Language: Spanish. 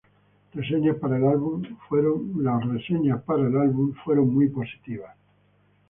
Reseñas para el álbum fueron muy positivos.